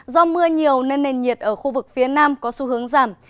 do mưa nhiều nên nền nhiệt ở khu vực phía nam có xu hướng giảm